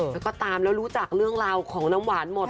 แล้วก็ตามแล้วรู้จักเรื่องราวของน้ำหวานหมด